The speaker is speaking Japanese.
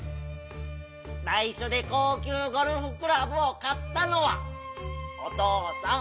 ないしょでこうきゅうゴルフクラブをかったのはお父さん！